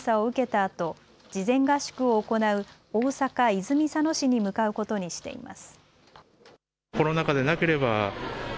あと事前合宿を行う大阪泉佐野市に向かうことにしています。